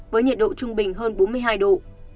với nhiệt độ trung bình hơn bốn mươi hai độ